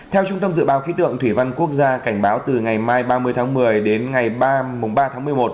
theo trung tâm dự báo khí tượng thủy văn quốc gia cảnh báo từ ngày mai ba mươi tháng một mươi đến ngày ba tháng một mươi một